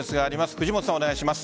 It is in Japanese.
藤本さん、お願いします。